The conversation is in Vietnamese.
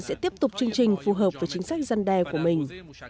sẽ tiếp tục chương trình phù hợp với chính sách dân đe của mình